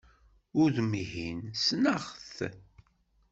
Udem-ihin, ssneɣ-t!